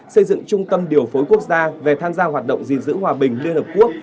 xây dựng trung tâm điều phối quốc gia về tham gia hoạt động gìn giữ hòa bình liên hợp quốc